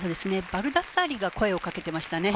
バルダッサーリが声をかけてましたね。